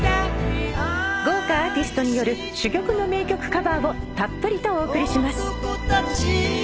豪華アーティストによる珠玉の名曲カバーをたっぷりとお送りします。